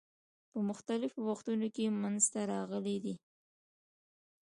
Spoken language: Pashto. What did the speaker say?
په مختلفو وختونو کې منځته راغلي دي.